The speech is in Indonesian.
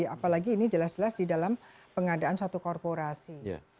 apalagi ini jelas jelas di dalam pengadaan satu korporasi